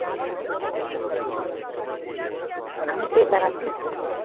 আমিই কেক বানাচ্ছি।